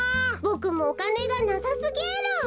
ボクもおかねがなさすぎる！